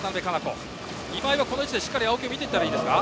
今井はこの位置でしっかり青木を見ていったらいいですか？